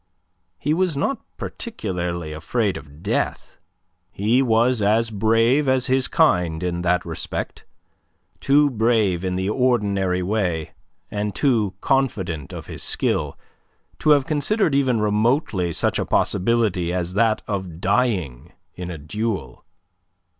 He was not particularly afraid of death. He was as brave as his kind in that respect, too brave in the ordinary way, and too confident of his skill, to have considered even remotely such a possibility as that of dying in a duel.